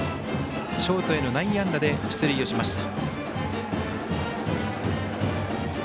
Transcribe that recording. ショートへの内野安打で出塁をしました。